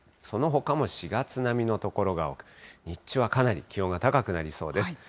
そのほかも４月並みの所が多く、日中はかなり気温が高くなりそうです。